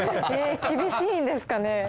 厳しいんですかね。